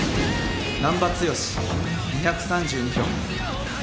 難破剛２３２票。